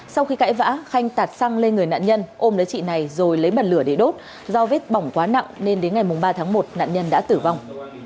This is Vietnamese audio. sau khi cãi vã khanh tạt xăng lên người nạn nhân ôm lấy chị này rồi lấy bật lửa để đốt do vết bỏng quá nặng nên đến ngày ba tháng một nạn nhân đã tử vong